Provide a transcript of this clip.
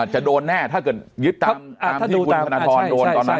จะโดนแน่ถ้าเกิดยึดตามที่คุณธนทรโดนตอนนั้น